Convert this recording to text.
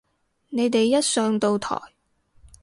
你哋一上到台